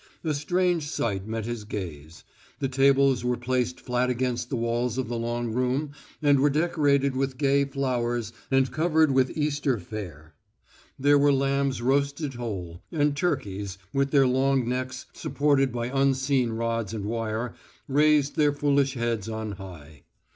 A strange sight met his gaze. The tables were placed flat against the walls of the long room and were decorated with gay flowers and covered with Easter fare. There were lambs roasted whole, and turkeys, with their long necks supported by unseen rods and wire, raised their foolish heads on high.